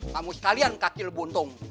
kamu sekalian kakil buntung